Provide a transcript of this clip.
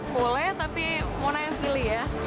boleh tapi mona yang pilih ya